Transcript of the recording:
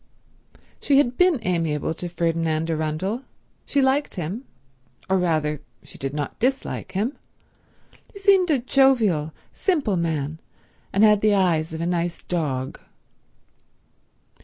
She had been amiable to Ferdinand Arundel; she liked him—or rather she did not dislike him. He seemed a jovial, simple man, and had the eyes of a nice dog.